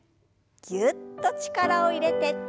ぎゅっと力を入れて。